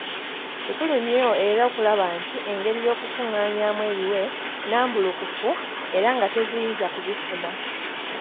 Kikulu nnyo era okulaba nti engeri y’okukungaanyaamu ebiwe nambulukufu era nga teziyiza kubifuna.